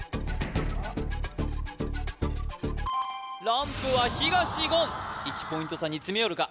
ランプは東言１ポイント差に詰め寄るか？